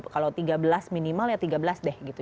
kalau tiga belas minimal ya tiga belas deh gitu